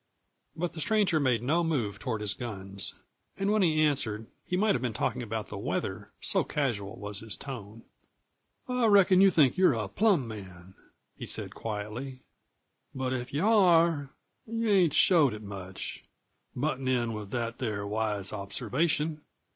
But the stranger made no move toward his guns, and when he answered he might have been talking about the weather, so casual was his tone. "I reckon you think you're a plum man," he said quietly. "But if you are, you ain't showed it much buttin' in with that there wise observation.